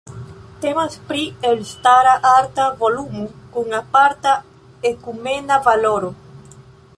Temas pri elstara arta volumo kun aparta ekumena valoro.